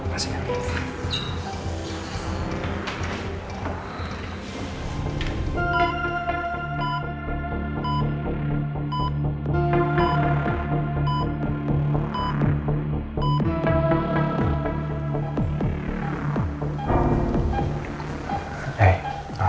terima kasih ya